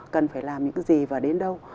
cần phải làm những gì và đến đâu